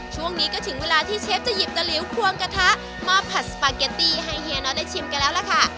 ช่วงนี้ก็ถึงเวลาที่เชฟจะหยิบตะหลิวควงกระทะมอบผัดสปาเกตตี้ให้เฮียน็อตได้ชิมกันแล้วล่ะค่ะ